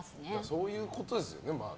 そういうことですよね。